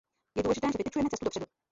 Je důležité, že vytyčujeme cestu dopředu.